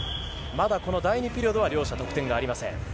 第２ピリオドは両者得点がありません。